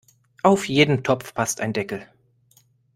Auf jeden Topf passt ein Deckel.